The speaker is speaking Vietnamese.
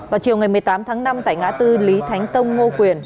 vào chiều ngày một mươi tám tháng năm tại ngã tư lý thánh tông ngô quyền